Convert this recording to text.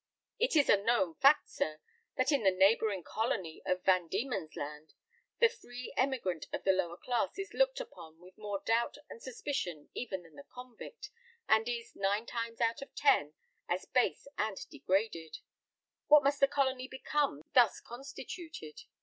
It is a known fact, sir, that in the neighbouring colony of Van Dieman's Land the free emigrant of the lower class is looked upon with more doubt and suspicion even than the convict, and is, nine times out of ten, as base and degraded. What must a colony become thus constituted?